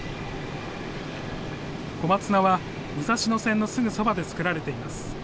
小松菜は、武蔵野線のすぐそばで作られています。